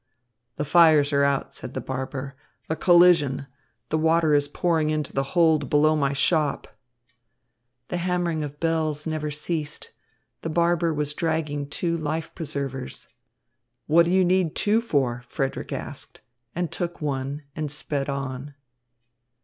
"The fires are out," said the barber. "A collision. The water is pouring into the hold below my shop." The hammering of the bells never ceased. The barber was dragging two life preservers. "What do you need two for?" Frederick asked, and took one and sped on.